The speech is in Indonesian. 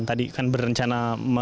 tadi kan berencana